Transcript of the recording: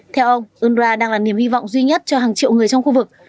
theo ông unrwa đang là niềm hy vọng duy nhất cho hàng triệu người trong khu vực